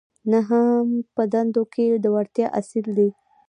نهم په دندو کې د وړتیا اصل دی.